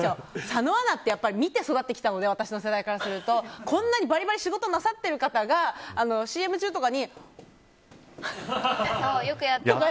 佐野アナって見て育ってきたので私の世代からするとこんなにバリバリ仕事なさってる方がＣＭ中とかに、こうやってると。